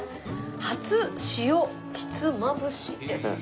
初塩ひつまぶしです。